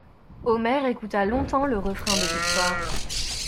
Omer écouta longtemps le refrain de victoire.